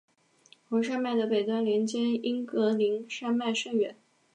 红山脉的北端连接英格林山脉甚远。